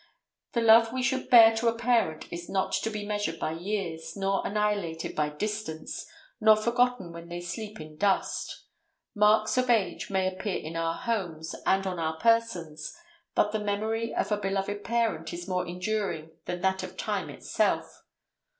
The love we should bear to a parent is not to be measured by years, nor annihilated by distance, nor forgotten when they sleep in dust. Marks of age may appear in our homes and on our persons, but the memory of a beloved parent is more enduring than that of time itself.